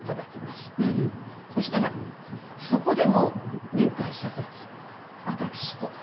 そしたらそこでもう面会謝絶私と。